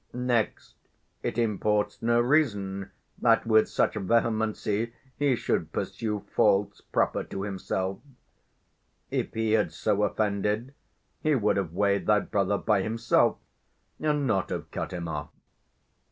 Next, it imports no reason That with such vehemency he should pursue Faults proper to himself: if he had so offended, 110 He would have weigh'd thy brother by himself, And not have cut him off.